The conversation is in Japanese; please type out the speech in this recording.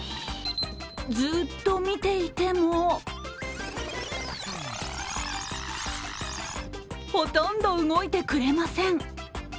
ずっと見ていてもほとんど動いてくれません！